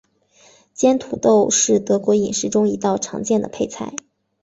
煎土豆是德国饮食中一道常见的配菜。